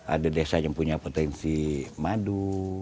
ada desa yang punya potensi madu